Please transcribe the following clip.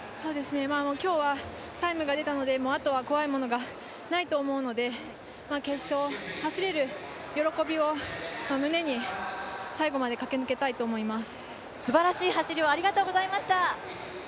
今日はタイムが出たのであとは怖いものがないと思うので決勝、走れる喜びを胸に最後まで駆け抜けたいと思います。